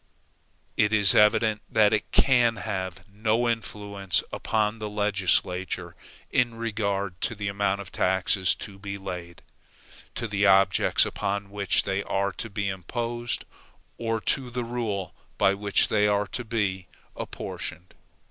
It is evident that it can have no influence upon the legislature, in regard to the amount of taxes to be laid, to the objects upon which they are to be imposed, or to the rule by which they are to be apportioned.